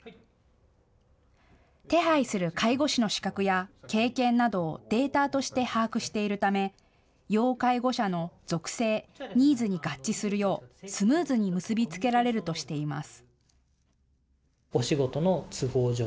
手配する介護士の資格や経験などをデータとして把握しているため要介護者の属性、ニーズに合致するようスムーズに結び付けられるとしています。